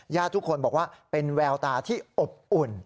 ทุกคนบอกว่าเป็นแววตาที่อบอุ่น